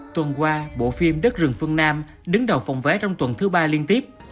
tuần qua bộ phim đất rừng phương nam đứng đầu phòng vé trong tuần thứ ba liên tiếp